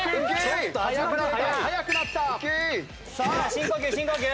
深呼吸深呼吸。